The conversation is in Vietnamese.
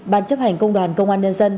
bàn chấp hành công đoàn công an nhân dân